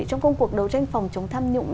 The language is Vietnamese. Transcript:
trong công cuộc đấu tranh phòng chống tham nhũng